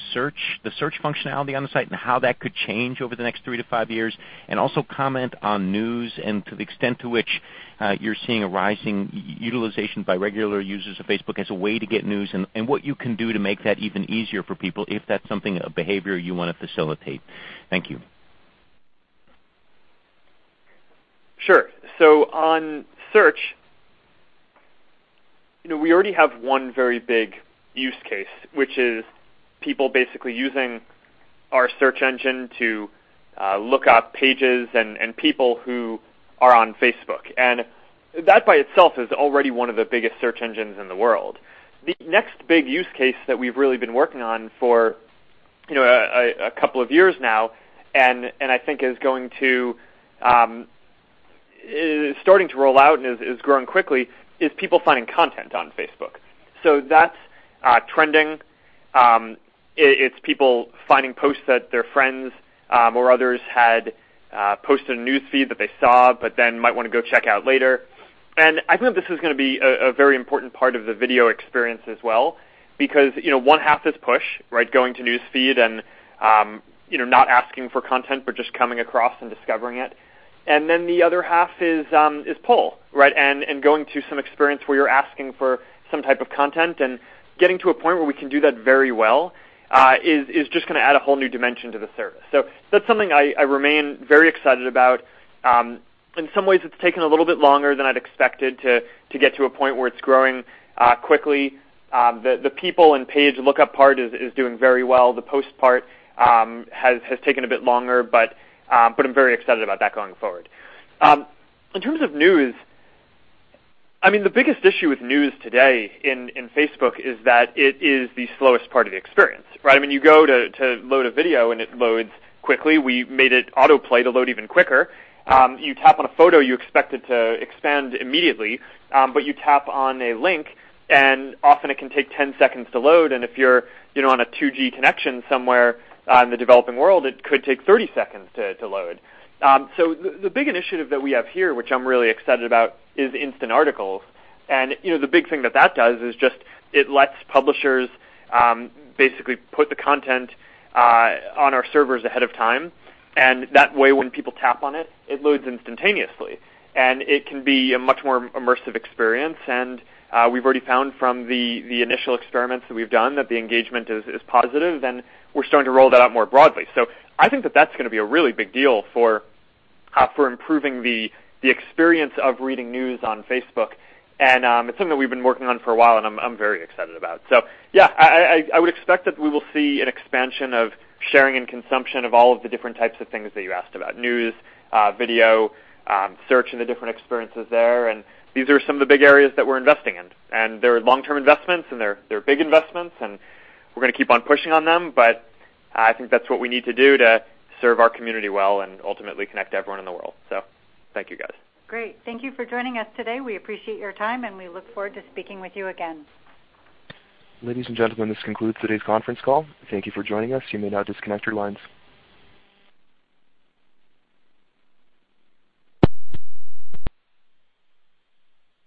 the search functionality on the site and how that could change over the next three to five years? Also comment on news and to the extent to which you're seeing a rising utilization by regular users of Facebook as a way to get news, and what you can do to make that even easier for people if that's something, a behavior you want to facilitate. Thank you. Sure. On search, we already have one very big use case, which is people basically using our search engine to look up Pages and people who are on Facebook. That by itself is already one of the biggest search engines in the world. The next big use case that we've really been working on for a couple of years now, I think is starting to roll out and is growing quickly, is people finding content on Facebook. That's trending. It's people finding posts that their friends or others had posted a News Feed that they saw, but then might want to go check out later. I believe this is going to be a very important part of the video experience as well, because one half is push, going to News Feed and not asking for content, but just coming across and discovering it. The other half is pull, going to some experience where you're asking for some type of content. Getting to a point where we can do that very well is just going to add a whole new dimension to the service. That's something I remain very excited about. In some ways, it's taken a little bit longer than I'd expected to get to a point where it's growing quickly. The people and Page lookup part is doing very well. The post part has taken a bit longer, but I'm very excited about that going forward. In terms of news, the biggest issue with news today in Facebook is that it is the slowest part of the experience. You go to load a video, it loads quickly. We've made it autoplay to load even quicker. You tap on a photo, you expect it to expand immediately. You tap on a link, often it can take 10 seconds to load. If you're on a 2G connection somewhere in the developing world, it could take 30 seconds to load. The big initiative that we have here, which I'm really excited about, is Instant Articles. The big thing that that does is just it lets publishers basically put the content on our servers ahead of time. That way, when people tap on it loads instantaneously. It can be a much more immersive experience. We've already found from the initial experiments that we've done that the engagement is positive, we're starting to roll that out more broadly. I think that that's going to be a really big deal for improving the experience of reading news on Facebook. It's something we've been working on for a while, and I'm very excited about it. Yeah, I would expect that we will see an expansion of sharing and consumption of all of the different types of things that you asked about, news, video, search, and the different experiences there. These are some of the big areas that we're investing in, and they're long-term investments, and they're big investments, and we're going to keep on pushing on them. I think that's what we need to do to serve our community well and ultimately connect everyone in the world. Thank you, guys. Great. Thank you for joining us today. We appreciate your time, and we look forward to speaking with you again. Ladies and gentlemen, this concludes today's conference call. Thank you for joining us. You may now disconnect your lines.